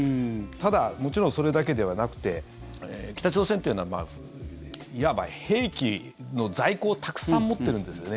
ただ、もちろんそれだけではなくて北朝鮮というのはいわば兵器の在庫をたくさん持ってるんですね。